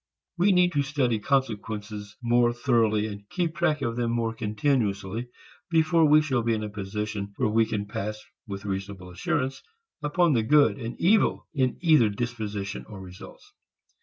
We need to study consequences more thoroughly and keep track of them more continuously before we shall be in a position where we can pass with reasonable assurance upon the good and evil in either disposition or results.